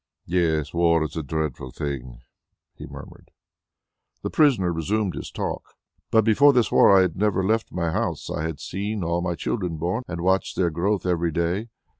"Yes, war is a dreadful thing," he murmured. The prisoner resumed his talk. "Before this war I had never left my house. I had seen all my children born and watched their growth every day.